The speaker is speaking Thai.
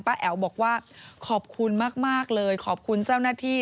แอ๋วบอกว่าขอบคุณมากเลยขอบคุณเจ้าหน้าที่